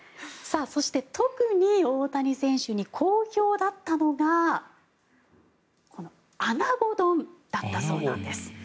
そして、特に大谷選手に好評だったのがこのアナゴ丼だったそうなんです。